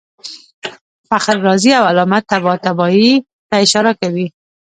فخر رازي او علامه طباطبايي ته اشاره کوي.